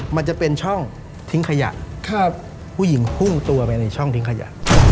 มันจะเป็นช่องทิ้งขยะผู้หญิงพุ่งตัวไปในช่องทิ้งขยะ